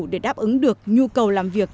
để đáp ứng được nhu cầu làm việc